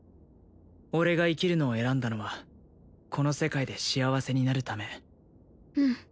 俺が生きるのを選んだのはこの世界で幸せになるためうん